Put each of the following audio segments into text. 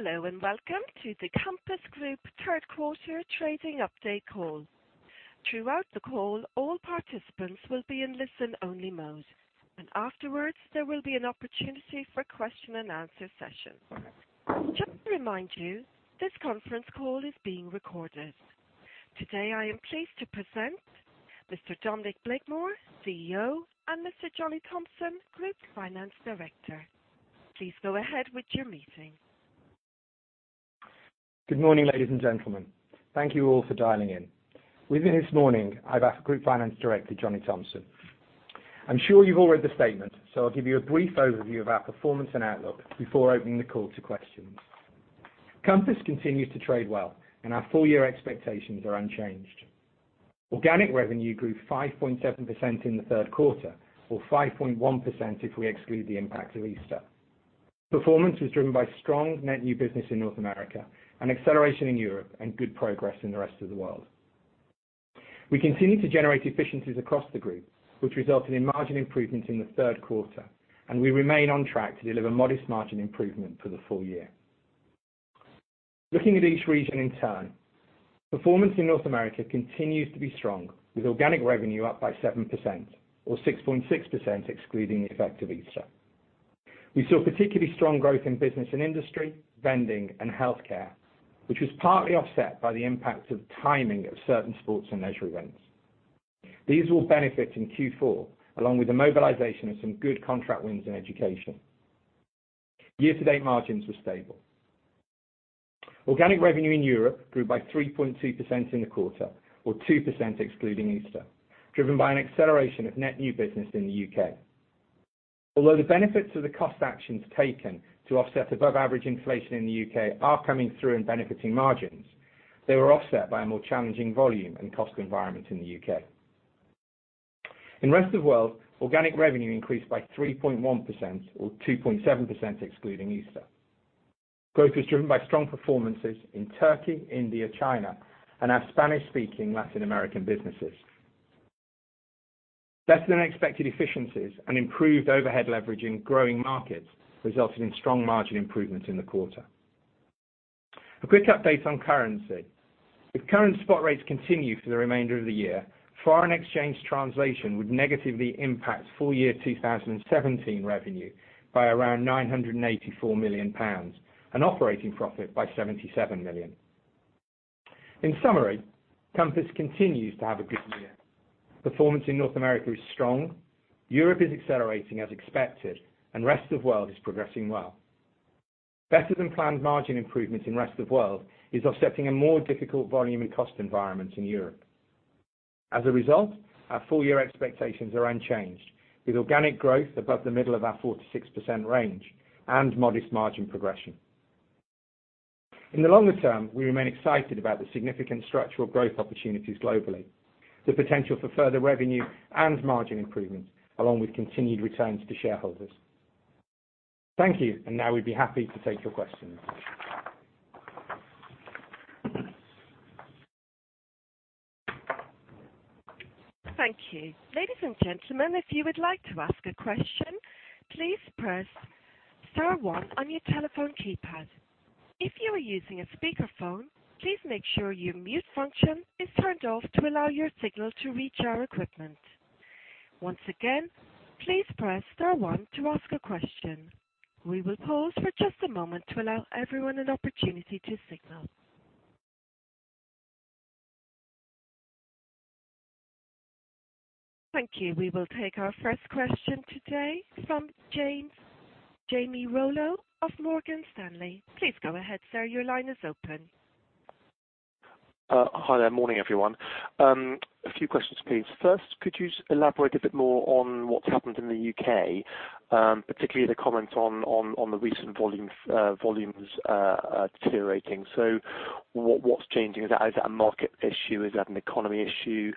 Hello, welcome to the Compass Group third quarter trading update call. Throughout the call, all participants will be in listen-only mode. Afterwards, there will be an opportunity for a question-and-answer session. Just to remind you, this conference call is being recorded. Today, I am pleased to present Mr. Dominic Blakemore, CEO, and Mr. Johnny Thomson, Group Finance Director. Please go ahead with your meeting. Good morning, ladies and gentlemen. Thank you all for dialing in. With me this morning, I have our Group Finance Director, Johnny Thomson. I'm sure you've all read the statement. I'll give you a brief overview of our performance and outlook before opening the call to questions. Compass continues to trade well. Our full-year expectations are unchanged. Organic revenue grew 5.7% in the third quarter, or 5.1% if we exclude the impact of Easter. Performance was driven by strong net new business in North America, an acceleration in Europe, and good progress in the Rest of the World. We continue to generate efficiencies across the group, which resulted in margin improvements in the third quarter. We remain on track to deliver modest margin improvement for the full year. Looking at each region in turn, performance in North America continues to be strong, with organic revenue up by 7%, or 6.6% excluding the effect of Easter. We saw particularly strong growth in Business & Industry, vending, and Healthcare, which was partly offset by the impact of timing of certain Sports & Leisure events. These will benefit in Q4, along with the mobilization of some good contract wins in Education. Year-to-date margins were stable. Organic revenue in Europe grew by 3.2% in the quarter, or 2% excluding Easter, driven by an acceleration of net new business in the U.K. Although the benefits of the cost actions taken to offset above-average inflation in the U.K. are coming through and benefiting margins, they were offset by a more challenging volume and cost environment in the U.K. In Rest of the World, organic revenue increased by 3.1%, or 2.7% excluding Easter. Growth was driven by strong performances in Turkey, India, China, and our Spanish-speaking Latin American businesses. Better-than-expected efficiencies and improved overhead leverage in growing markets resulted in strong margin improvements in the quarter. A quick update on currency. If current spot rates continue for the remainder of the year, foreign exchange translation would negatively impact full-year 2017 revenue by around 984 million pounds, and operating profit by 77 million. In summary, Compass continues to have a good year. Performance in North America is strong. Europe is accelerating as expected. Rest of world is progressing well. Better-than-planned margin improvements in rest of world is offsetting a more difficult volume and cost environment in Europe. As a result, our full-year expectations are unchanged, with organic growth above the middle of our 4%-6% range and modest margin progression. In the longer term, we remain excited about the significant structural growth opportunities globally, the potential for further revenue and margin improvements, along with continued returns to shareholders. Thank you, now we'd be happy to take your questions. Thank you. Ladies and gentlemen, if you would like to ask a question, please press star one on your telephone keypad. If you are using a speakerphone, please make sure your mute function is turned off to allow your signal to reach our equipment. Once again, please press star one to ask a question. We will pause for just a moment to allow everyone an opportunity to signal. Thank you. We will take our first question today from Jamie Rollo of Morgan Stanley. Please go ahead, sir. Your line is open. Hi there. Morning, everyone. A few questions, please. First, could you elaborate a bit more on what's happened in the U.K., particularly the comment on the recent volumes deteriorating? What's changing? Is that a market issue? Is that an economy issue?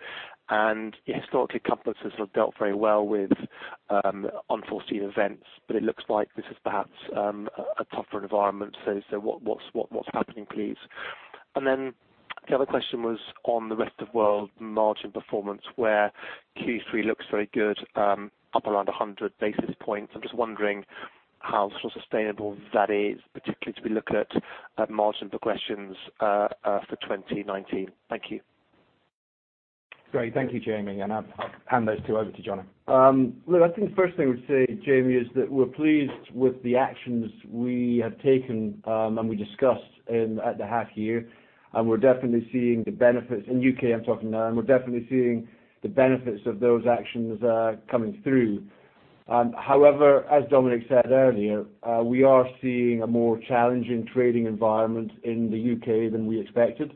Historically, Compass has dealt very well with unforeseen events, but it looks like this is perhaps a tougher environment. What's happening, please? The other question was on the rest of world margin performance, where Q3 looks very good, up around 100 basis points. I'm just wondering how sustainable that is, particularly as we look at margin progressions for 2019. Thank you. Great. Thank you, Jamie, I'll hand those two over to Johnny. I think the first thing I would say, Jamie, is that we're pleased with the actions we have taken, and we discussed at the half-year, and we're definitely seeing the benefits. In U.K., I'm talking now. We're definitely seeing the benefits of those actions coming through. As Dominic said earlier, we are seeing a more challenging trading environment in the U.K. than we expected.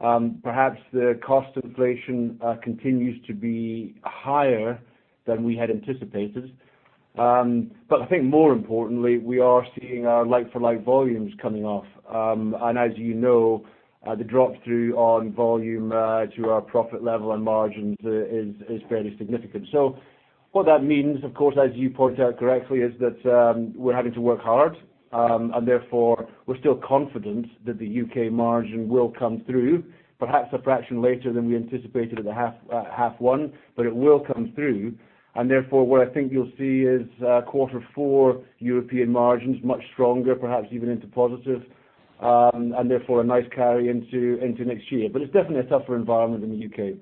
Perhaps the cost inflation continues to be higher than we had anticipated. I think more importantly, we are seeing our like-for-like volumes coming off. As you know, the drop-through on volume to our profit level and margins is fairly significant. What that means, of course, as you point out correctly, is that we're having to work hard. Therefore, we're still confident that the U.K. margin will come through, perhaps a fraction later than we anticipated at the half-year, but it will come through. Therefore, what I think you'll see is quarter four European margins much stronger, perhaps even into positive. A nice carry into next year. It's definitely a tougher environment in the U.K.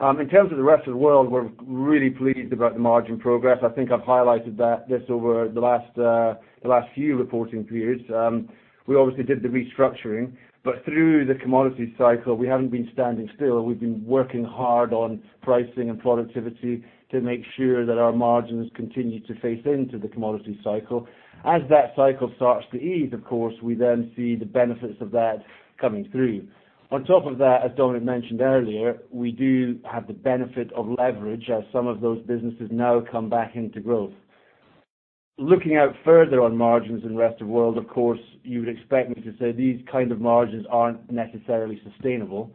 In terms of the rest of the world, we're really pleased about the margin progress. I think I've highlighted this over the last few reporting periods. We obviously did the restructuring, but through the commodity cycle, we haven't been standing still. We've been working hard on pricing and productivity to make sure that our margins continue to face into the commodity cycle. As that cycle starts to ease, of course, we then see the benefits of that coming through. On top of that, as Dominic mentioned earlier, we do have the benefit of leverage as some of those businesses now come back into growth. Looking out further on margins in the rest of world, of course, you would expect me to say these kind of margins aren't necessarily sustainable.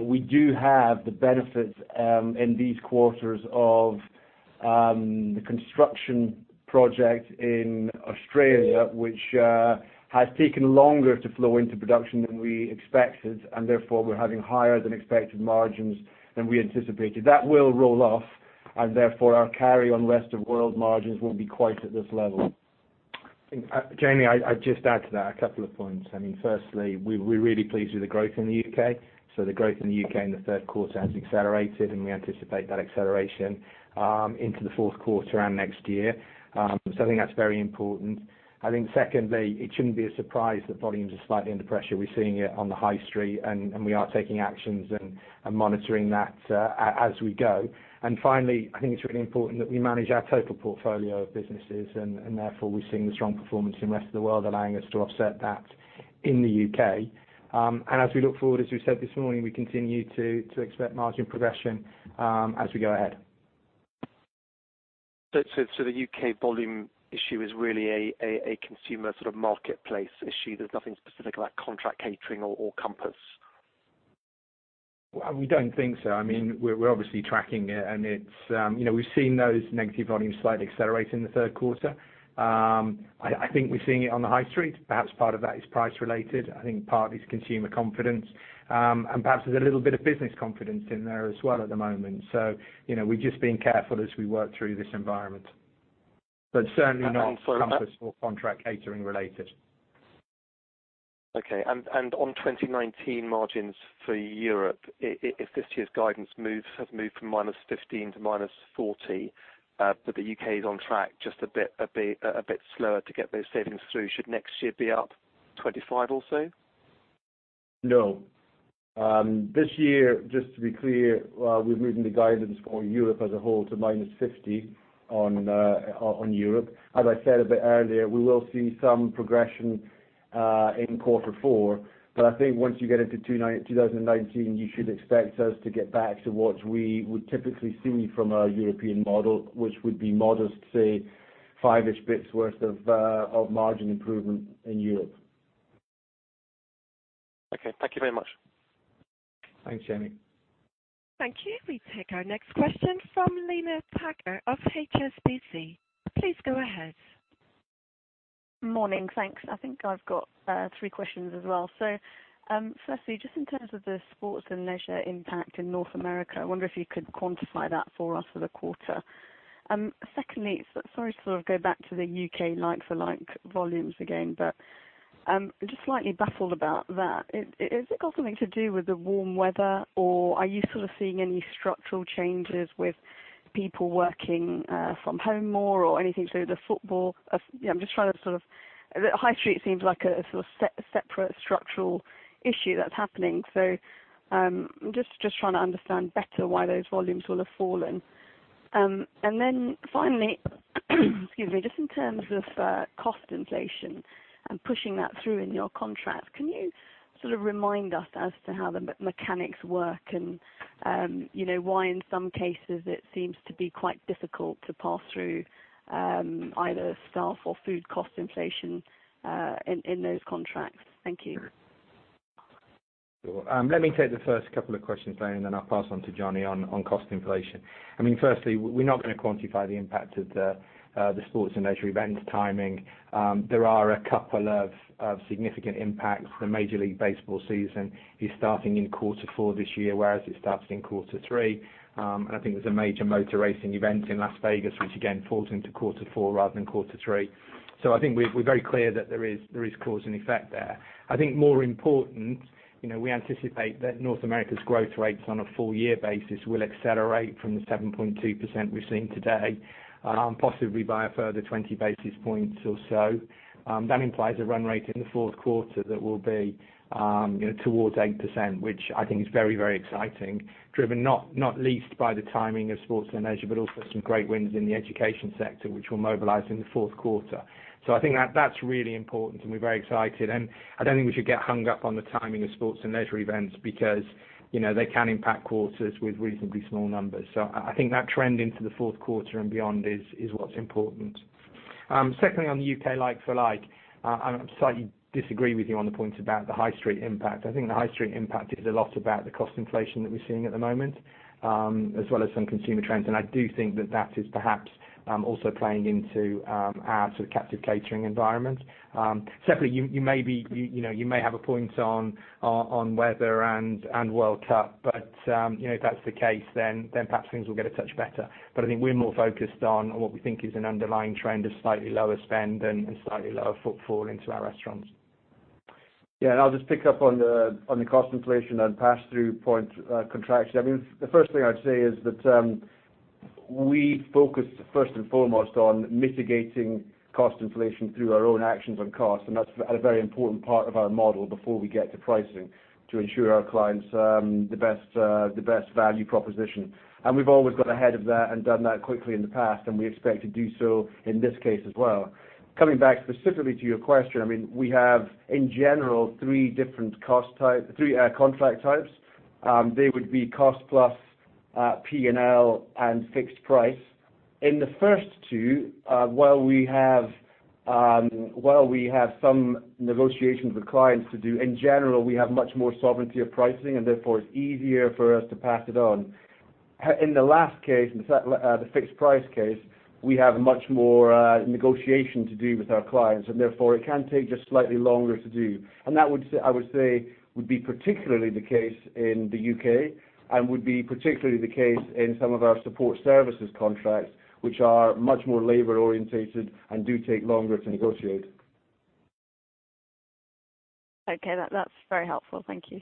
We do have the benefits in these quarters of the construction project in Australia, which has taken longer to flow into production than we expected, and therefore we're having higher than expected margins than we anticipated. That will roll off, and therefore our carry on rest of world margins won't be quite at this level. Jamie, I'd just add to that a couple of points. Firstly, we're really pleased with the growth in the U.K. The growth in the U.K. in the third quarter has accelerated, and we anticipate that acceleration into the fourth quarter and next year. I think that's very important. I think secondly, it shouldn't be a surprise that volumes are slightly under pressure. We're seeing it on the high street, and we are taking actions and are monitoring that as we go. Finally, I think it's really important that we manage our total portfolio of businesses, and therefore, we're seeing the strong performance in the rest of the world allowing us to offset that in the U.K. As we look forward, as we said this morning, we continue to expect margin progression as we go ahead. The U.K. volume issue is really a consumer sort of marketplace issue. There's nothing specific about contract catering or Compass. We don't think so. We're obviously tracking it, and we've seen those negative volumes slightly accelerate in the third quarter. I think we're seeing it on the high street. Perhaps part of that is price related. I think part of it is consumer confidence. Perhaps there's a little bit of business confidence in there as well at the moment. We're just being careful as we work through this environment. Certainly not- And on- Compass or contract catering related. Okay. On 2019 margins for Europe, if this year's guidance has moved from -15 basis points to -40 basis points, but the U.K. is on track just a bit slower to get those savings through, should next year be up 25 basis points or so? No. This year, just to be clear, we've moved the guidance for Europe as a whole to -50 basis points on Europe. I said a bit earlier, we will see some progression in quarter four. I think once you get into 2019, you should expect us to get back to what we would typically see from a European model, which would be modest, say, five-ish basis points worth of margin improvement in Europe. Okay. Thank you very much. Thanks, Jamie. Thank you. We take our next question from Lina Taggart of HSBC. Please go ahead. Morning. Thanks. I think I've got 3 questions as well. Firstly, just in terms of the Sports & Leisure impact in North America, I wonder if you could quantify that for us for the quarter. Secondly, sorry to sort of go back to the U.K. like-for-like volumes again, but I'm just slightly baffled about that. Has it got something to do with the warm weather, or are you sort of seeing any structural changes with people working from home more or anything to do with the football? I'm just trying to understand better why those volumes will have fallen. Finally, excuse me. Just in terms of cost inflation and pushing that through in your contract, can you sort of remind us as to how the mechanics work and why in some cases it seems to be quite difficult to pass through either staff or food cost inflation in those contracts? Thank you. Sure. Let me take the first couple of questions, Lina, I'll pass on to Johnny on cost inflation. Firstly, we're not going to quantify the impact of the Sports & Leisure events timing. There are a couple of significant impacts. The Major League Baseball season is starting in quarter four this year, whereas it started in quarter three. I think there's a major motor racing event in Las Vegas, which again falls into quarter four rather than quarter three. I think we're very clear that there is cause and effect there. I think more important, we anticipate that North America's growth rates on a full year basis will accelerate from the 7.2% we've seen today, possibly by a further 20 basis points or so. That implies a run rate in the fourth quarter that will be towards 8%, which I think is very, very exciting, driven not least by the timing of Sports & Leisure, but also some great wins in the Education sector, which we'll mobilize in the fourth quarter. I think that's really important, and we're very excited. I don't think we should get hung up on the timing of Sports & Leisure events because they can impact quarters with reasonably small numbers. I think that trend into the fourth quarter and beyond is what's important. Secondly, on the U.K. like-for-like, I slightly disagree with you on the point about the high street impact. I think the high street impact is a lot about the cost inflation that we're seeing at the moment, as well as some consumer trends. I do think that that is perhaps also playing into our captive catering environment. Secondly, you may have a point on weather and World Cup, if that's the case, then perhaps things will get a touch better. I think we're more focused on what we think is an underlying trend of slightly lower spend and slightly lower footfall into our restaurants. I'll just pick up on the cost inflation and pass-through point contract. The first thing I'd say is that we focus first and foremost on mitigating cost inflation through our own actions on cost, and that's a very important part of our model before we get to pricing to ensure our clients the best value proposition. We've always got ahead of that and done that quickly in the past, and we expect to do so in this case as well. Coming back specifically to your question, we have, in general, 3 contract types. They would be cost plus, P&L, and fixed price. In the first two, while we have some negotiations with clients to do, in general, we have much more sovereignty of pricing, and therefore, it's easier for us to pass it on. In the last case, the fixed price case, we have much more negotiation to do with our clients, therefore, it can take just slightly longer to do. That, I would say, would be particularly the case in the U.K. and would be particularly the case in some of our support services contracts, which are much more labor-orientated and do take longer to negotiate. Okay. That's very helpful. Thank you.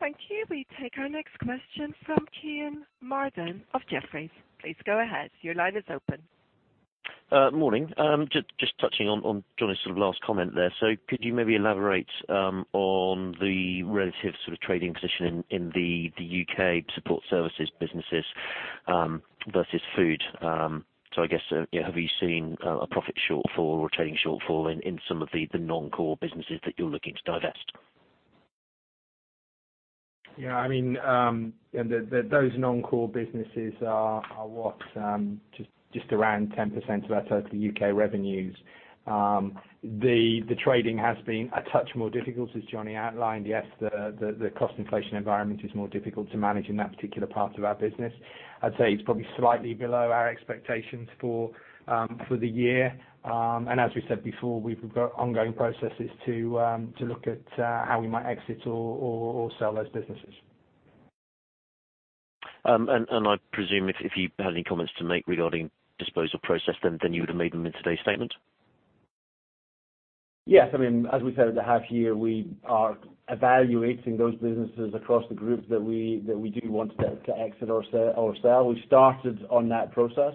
Thank you. We take our next question from Kean Marden of Jefferies. Please go ahead. Your line is open. Morning. Just touching on Johnny's last comment there. Could you maybe elaborate on the relative trading position in the U.K. support services businesses versus food? I guess, have you seen a profit shortfall or trading shortfall in some of the non-core businesses that you're looking to divest? Yeah, those non-core businesses are what? Just around 10% of our total U.K. revenues. The trading has been a touch more difficult, as Johnny outlined. Yes, the cost inflation environment is more difficult to manage in that particular part of our business. I'd say it's probably slightly below our expectations for the year. As we said before, we've got ongoing processes to look at how we might exit or sell those businesses. I presume if you had any comments to make regarding disposal process then you would have made them in today's statement? Yes. As we said at the half-year, we are evaluating those businesses across the group that we do want to exit or sell. We started on that process.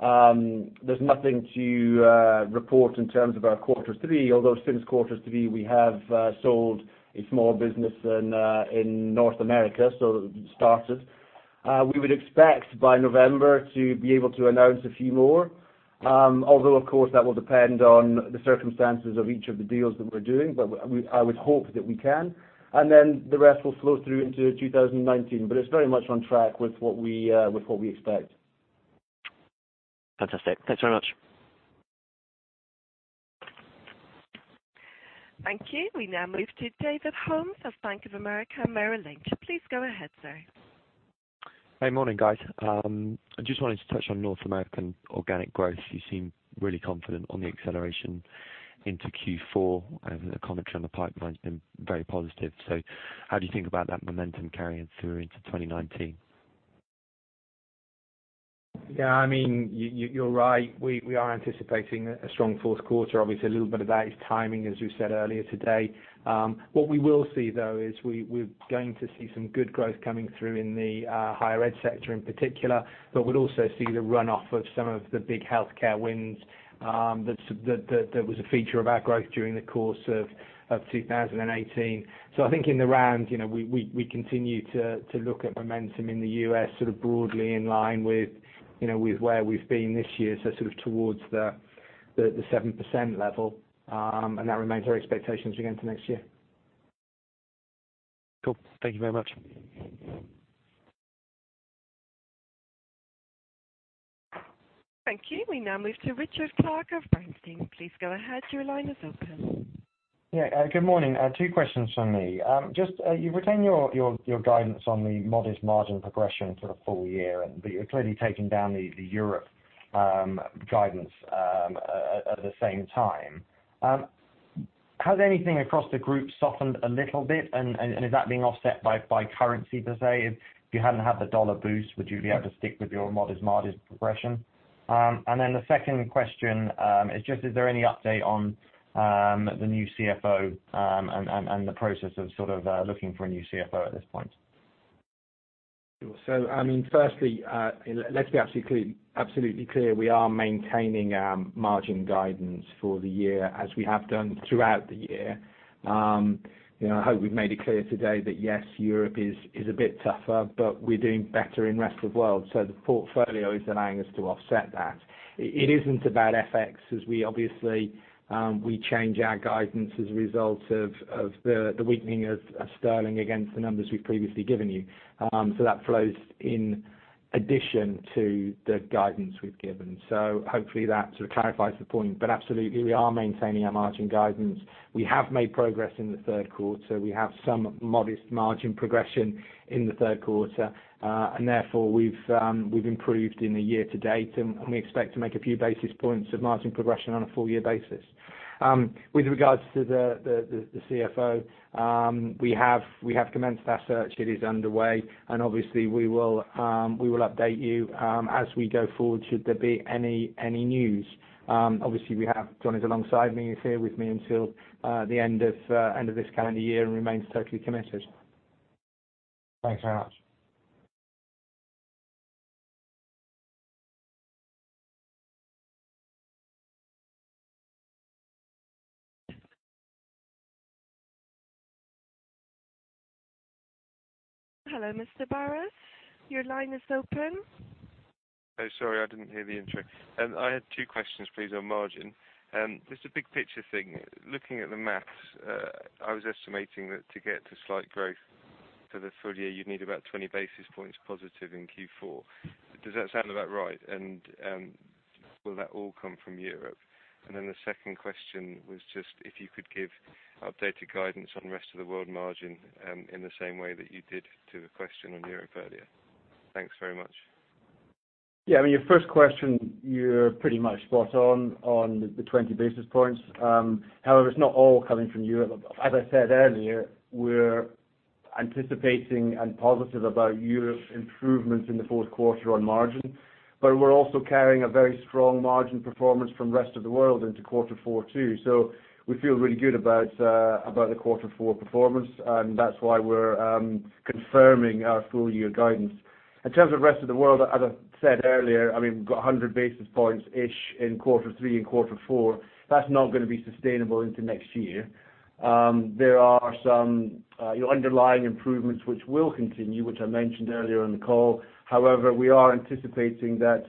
There's nothing to report in terms of our quarter three, although since quarter three, we have sold a small business in North America. It started. We would expect by November to be able to announce a few more. Although, of course, that will depend on the circumstances of each of the deals that we're doing. I would hope that we can. The rest will flow through into 2019. It's very much on track with what we expect. Fantastic. Thanks very much. Thank you. We now move to David Holmes of Bank of America Merrill Lynch. Please go ahead, sir. Hey, morning, guys. I just wanted to touch on North American organic growth. You seem really confident on the acceleration into Q4, and the commentary on the pipeline has been very positive. How do you think about that momentum carrying through into 2019? Yeah, you're right. We are anticipating a strong fourth quarter. Obviously, a little bit of that is timing, as we said earlier today. What we will see, though, is we're going to see some good growth coming through in the Higher Education sector in particular, but we'll also see the runoff of some of the big Healthcare wins that was a feature of our growth during the course of 2018. I think in the round, we continue to look at momentum in the U.S. sort of broadly in line with where we've been this year, so sort of towards the 7% level. That remains our expectations again for next year. Cool. Thank you very much. Thank you. We now move to Richard Clarke of Bernstein. Please go ahead. Your line is open. Good morning. Two questions from me. You've retained your guidance on the modest margin progression for the full year, but you're clearly taking down the Europe guidance at the same time. Has anything across the group softened a little bit, and is that being offset by currency, per se? If you hadn't had the dollar boost, would you be able to stick with your modest margin progression? Is there any update on the new CFO and the process of looking for a new CFO at this point? Firstly, let's be absolutely clear. We are maintaining our margin guidance for the year as we have done throughout the year. I hope we've made it clear today that, yes, Europe is a bit tougher, but we're doing better in Rest of World. The portfolio is allowing us to offset that. It isn't about FX as we obviously change our guidance as a result of the weakening of sterling against the numbers we've previously given you. That flows in addition to the guidance we've given. Hopefully that sort of clarifies the point. Absolutely, we are maintaining our margin guidance. We have made progress in the third quarter. We have some modest margin progression in the third quarter. Therefore, we've improved in the year to date, and we expect to make a few basis points of margin progression on a full year basis. With regards to the CFO, we have commenced that search. It is underway. Obviously we will update you as we go forward should there be any news. Obviously, we have Johnny alongside me. He's here with me until the end of this calendar year and remains totally committed. Thanks very much. Hello, Mr. Burrus. Your line is open. Sorry, I didn't hear the intro. I had two questions please, on margin. Just a big picture thing. Looking at the math, I was estimating that to get to slight growth for the full year, you'd need about 20 basis points positive in Q4. Does that sound about right? Will that all come from Europe? The second question was just if you could give updated guidance on rest of the world margin in the same way that you did to the question on Europe earlier. Thanks very much. Yeah. Your first question, you're pretty much spot on on the 20 basis points. However, it's not all coming from Europe. As I said earlier, we're anticipating and positive about Europe improvements in the fourth quarter on margin. We're also carrying a very strong margin performance from rest of the world into quarter four too. We feel really good about the quarter four performance, and that's why we're confirming our full year guidance. In terms of rest of the world, as I said earlier, we've got 100 basis points-ish in quarter three and quarter four. That's not going to be sustainable into next year. There are some underlying improvements which will continue, which I mentioned earlier in the call. However, we are anticipating that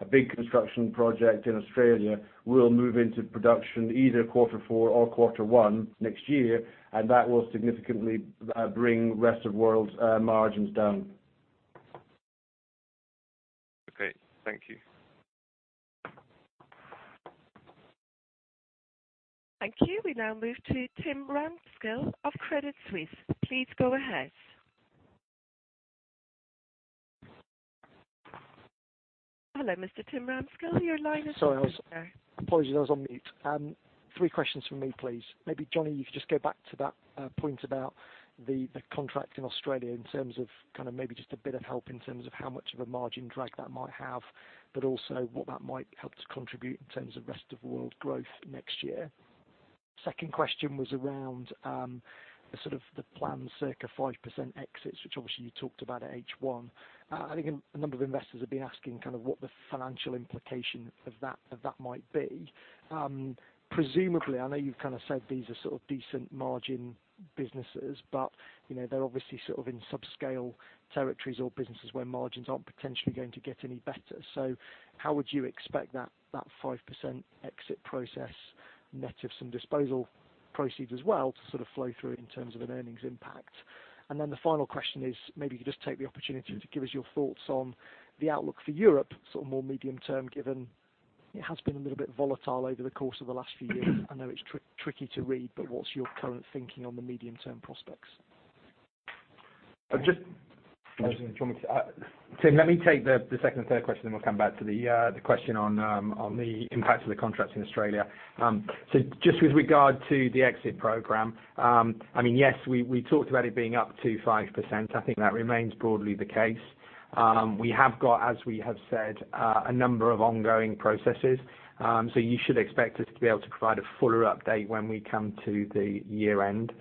a big construction project in Australia will move into production either quarter four or quarter one next year. That will significantly bring rest of world margins down. Okay. Thank you. Thank you. We now move to Tim Ramskill of Credit Suisse. Please go ahead. Hello, Mr. Tim Ramskill. Your line is open, sir. Sorry. Apologies, I was on mute. Three questions from me, please. Maybe, Johnny, you could just go back to that point about the contract in Australia in terms of maybe just a bit of help in terms of how much of a margin drag that might have, but also what that might help to contribute in terms of rest of world growth next year. Second question was around the planned circa 5% exits, which obviously you talked about at H1. I think a number of investors have been asking what the financial implication of that might be. Presumably, I know you've said these are decent margin businesses, but they're obviously in subscale territories or businesses where margins aren't potentially going to get any better. How would you expect that 5% exit process net of some disposal proceeds as well to flow through in terms of an earnings impact? The final question is, maybe you could just take the opportunity to give us your thoughts on the outlook for Europe, more medium term, given it has been a little bit volatile over the course of the last few years. I know it's tricky to read, but what's your current thinking on the medium-term prospects? Just- Do you want me to Tim, let me take the second and third question, then we'll come back to the question on the impact of the contracts in Australia. Just with regard to the exit program, yes, we talked about it being up to 5%. I think that remains broadly the case. We have got, as we have said, a number of ongoing processes. You should expect us to be able to provide a fuller update when we come to the year end.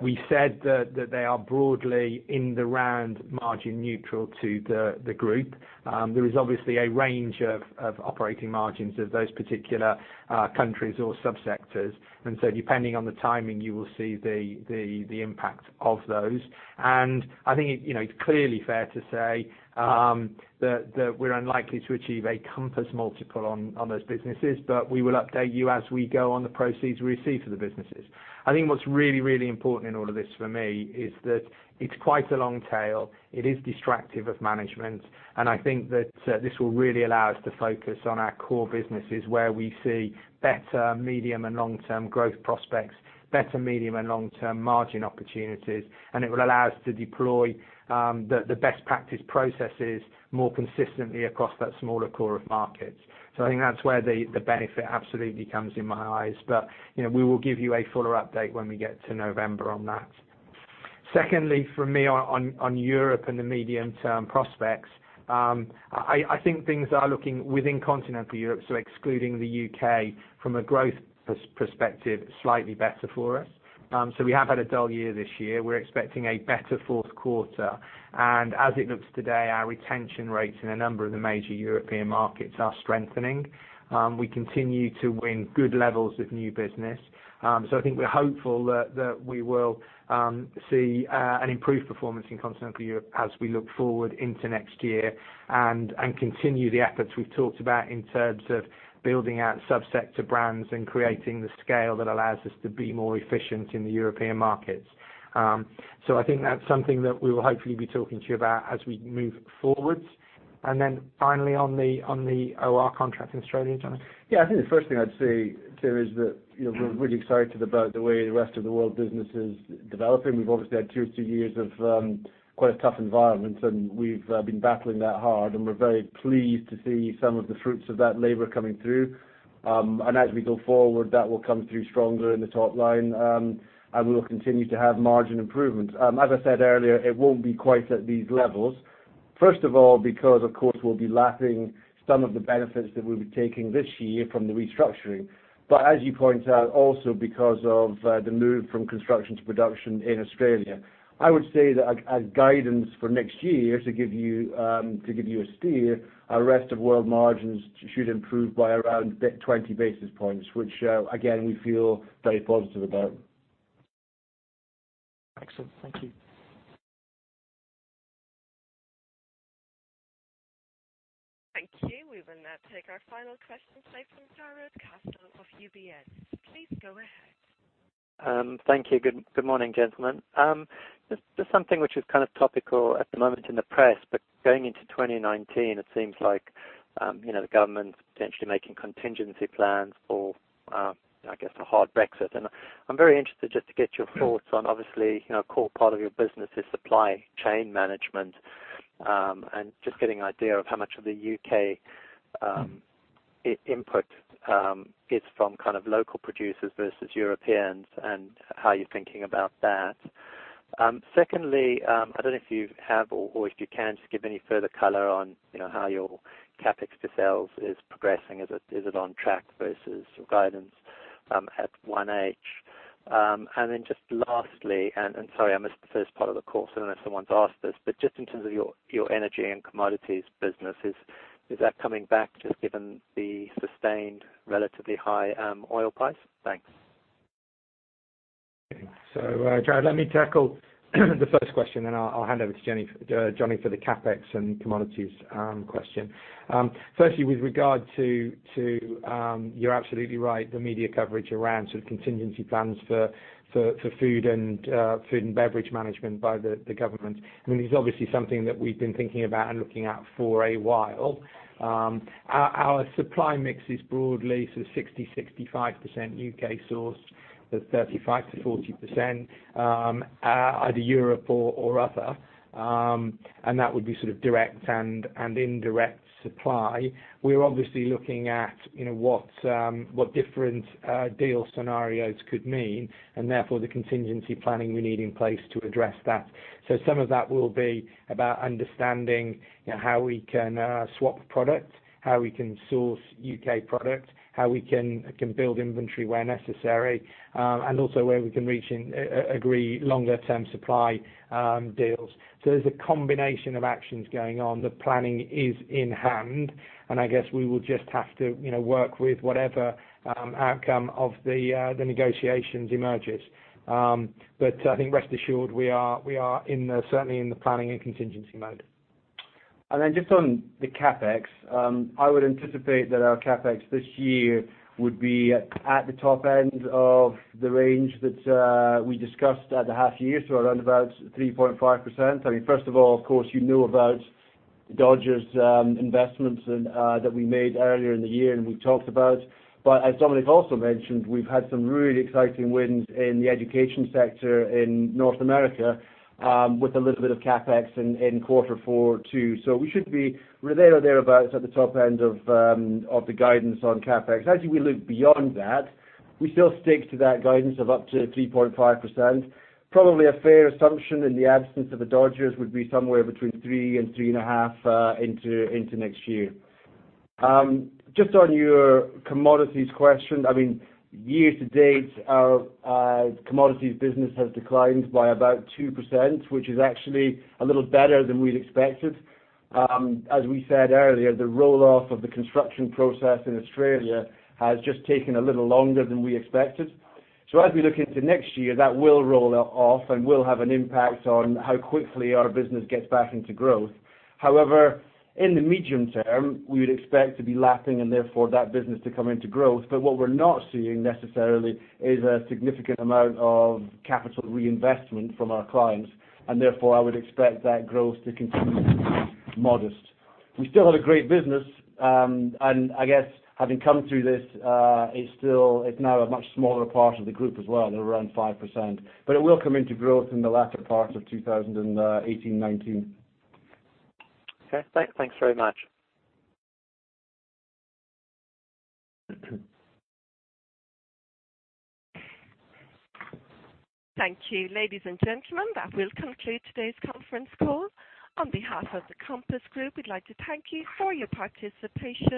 We said that they are broadly in the round margin neutral to the group. There is obviously a range of operating margins of those particular countries or subsectors. Depending on the timing, you will see the impact of those. I think it's clearly fair to say that we're unlikely to achieve a Compass multiple on those businesses. We will update you as we go on the proceeds we receive for the businesses. I think what's really, really important in all of this for me is that it's quite a long tail. It is distractive of management. I think that this will really allow us to focus on our core businesses where we see better medium and long-term growth prospects, better medium and long-term margin opportunities, and it will allow us to deploy the best practice processes more consistently across that smaller core of markets. I think that's where the benefit absolutely comes in my eyes. We will give you a fuller update when we get to November on that. Secondly, for me on Europe and the medium-term prospects, I think things are looking within continental Europe, so excluding the U.K. from a growth perspective, slightly better for us. We have had a dull year this year. We're expecting a better fourth quarter. As it looks today, our retention rates in a number of the major European markets are strengthening. We continue to win good levels of new business. I think we're hopeful that we will see an improved performance in continental Europe as we look forward into next year and continue the efforts we've talked about in terms of building out subsector brands and creating the scale that allows us to be more efficient in the European markets. I think that's something that we will hopefully be talking to you about as we move forwards. Then finally on the O&R contract in Australia, Johnny? I think the first thing I'd say, Tim, is that we're really excited about the way the rest of the world business is developing. We've obviously had two years of quite a tough environment. We've been battling that hard. We're very pleased to see some of the fruits of that labor coming through. As we go forward, that will come through stronger in the top line. We will continue to have margin improvements. As I said earlier, it won't be quite at these levels. First of all, because of course, we'll be lapping some of the benefits that we'll be taking this year from the restructuring. As you point out, also because of the move from construction to production in Australia. I would say that as guidance for next year, to give you a steer, our rest of world margins should improve by around 20 basis points, which again, we feel very positive about. Excellent. Thank you. Thank you. We will now take our final question today from Jarrod Castle of UBS. Please go ahead. Thank you. Good morning, gentlemen. Something which is topical at the moment in the press, going into 2019, it seems like the government's potentially making contingency plans for a hard Brexit. I am very interested to get your thoughts on obviously, a core part of your business is supply chain management. Getting an idea of how much of the U.K. input is from local producers versus Europeans and how you are thinking about that. Secondly, I don't know if you have or if you can give any further color on how your CapEx to sales is progressing. Is it on track versus guidance at 1H? Lastly, sorry, I missed the first part of the call, I don't know if someone's asked this, in terms of your energy and commodities businesses, is that coming back given the sustained relatively high oil price? Thanks. Jarrod, let me tackle the first question, then I'll hand over to Johnny for the CapEx and commodities question. Firstly, with regard to, you're absolutely right, the media coverage around contingency plans for food and beverage management by the government. It is obviously something that we've been thinking about and looking at for a while. Our supply mix is broadly 60%-65% U.K. sourced, with 35%-40% either Europe or other. And that would be direct and indirect supply. We are obviously looking at what different deal scenarios could mean, and therefore, the contingency planning we need in place to address that. Some of that will be about understanding how we can swap product, how we can source U.K. product, how we can build inventory where necessary, and also where we can agree longer term supply deals. There's a combination of actions going on. The planning is in hand, and I guess we will just have to work with whatever outcome of the negotiations emerges. I think rest assured, we are certainly in the planning and contingency mode. Just on the CapEx, I would anticipate that our CapEx this year would be at the top end of the range that we discussed at the half-year, around about 3.5%. First of all, of course, you knew about the Dodgers investments that we made earlier in the year, and we talked about. As Dominic also mentioned, we've had some really exciting wins in the Education sector in North America, with a little bit of CapEx in Quarter Four too. We should be there or thereabouts at the top end of the guidance on CapEx. As we look beyond that, we still stick to that guidance of up to 3.5%. Probably a fair assumption in the absence of a Dodgers would be somewhere between 3% and 3.5% into next year. Just on your commodities question, year to date, our commodities business has declined by about 2%, which is actually a little better than we'd expected. As we said earlier, the roll-off of the construction process in Australia has just taken a little longer than we expected. As we look into next year, that will roll off and will have an impact on how quickly our business gets back into growth. However, in the medium term, we would expect to be lapping and therefore that business to come into growth. What we're not seeing necessarily is a significant amount of capital reinvestment from our clients, and therefore I would expect that growth to continue to be modest. We still had a great business, and I guess having come through this, it's now a much smaller part of the group as well, at around 5%. It will come into growth in the latter part of 2018-2019. Okay. Thanks very much. Thank you. Ladies and gentlemen, that will conclude today's conference call. On behalf of the Compass Group, we'd like to thank you for your participation.